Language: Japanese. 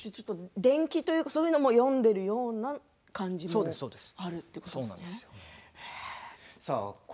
伝記というかそういうのを読んでいるような感じがあるんですか？